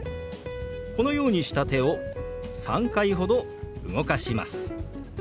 このようにした手を３回ほど動かします。